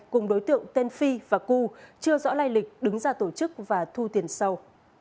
cùng đối tượng tên phi và ku chưa rõ lai lịch đứng ra tổ chức và thu tiền sâu